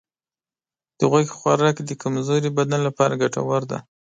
د غوښې خوراک د کمزورې بدن لپاره ګټور دی.